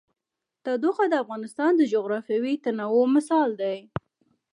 تودوخه د افغانستان د جغرافیوي تنوع مثال دی.